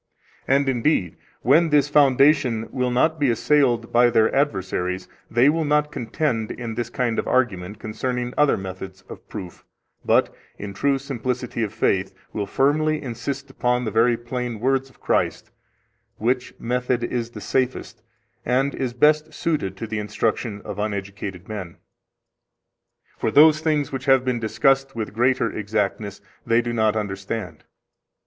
And indeed, when this foundation will not be assailed by their adversaries, they will not contend in this kind of argument concerning other methods of proof, but, in true simplicity of faith, will firmly insist upon the very plain words of Christ, which method is the safest, and is best suited to the instruction of uneducated men; for those things which have been discussed with greater exactness they do not understand.